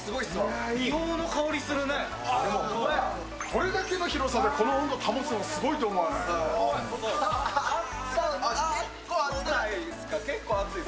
これだけの広さでこれだけの温度を保つのすごいと思わない？